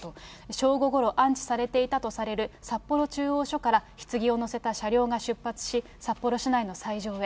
正午ごろ、安置されていたとされる札幌中央署からひつぎを載せた車両が出発し、札幌市内の斎場へ。